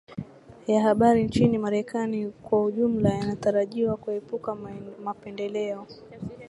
Ya habari nchini Marekani kwa ujumla yanatarajiwa kuepuka mapendeleo